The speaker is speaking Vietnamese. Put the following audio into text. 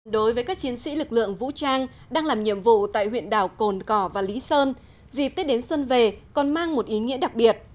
đối với các chiến sĩ lực lượng vũ trang đang làm nhiệm vụ tại huyện đảo cồn cỏ và lý sơn dịp tết đến xuân về còn mang một ý nghĩa đặc biệt